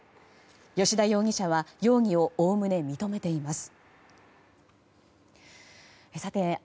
良田容疑者は容疑をおおむね認めています。